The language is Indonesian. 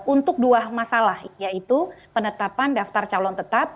untuk dua masalah yaitu penetapan daftar calon tetap